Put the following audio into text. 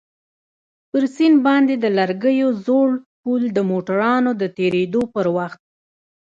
پر سيند باندى د لرګيو زوړ پول د موټرانو د تېرېدو پر وخت.